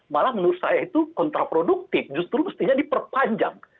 malah menurut saya itu kontraproduktif justru mestinya diperpanjang